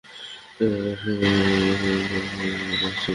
এরা সবাই আমাকে এভাবে দেখছে কেন?